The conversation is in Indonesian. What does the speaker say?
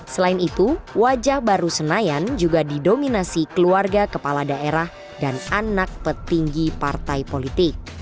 selain itu wajah baru senayan juga didominasi keluarga kepala daerah dan anak petinggi partai politik